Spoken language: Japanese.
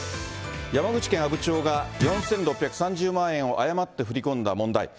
山口県阿武町が、４６３０万円を誤って振り込んだ問題。